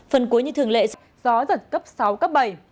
phần cuối như thường lệ sẽ là gió giật cấp sáu cấp bảy